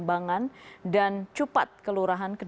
apa apa tujuan negeri